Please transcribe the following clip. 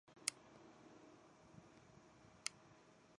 朝鲜王朝的时期儒学者和政治人物。